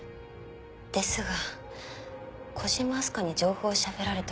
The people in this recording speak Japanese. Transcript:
ですが小島明日香に情報をしゃべられたら。